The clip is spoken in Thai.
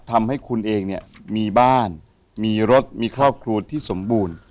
ทำให้คุณเองเนี่ยมีบ้านมีรถมีครอบครัวที่สมบูรณ์